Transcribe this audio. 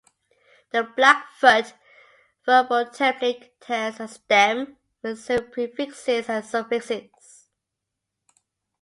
The Blackfoot verbal template contains a stem with several prefixes and suffixes.